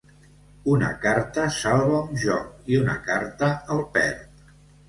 Una carta salva un joc i una carta el perd.